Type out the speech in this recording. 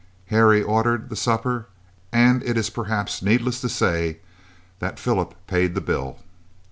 Harry ordered the supper, and it is perhaps needless to say that Philip paid the bill.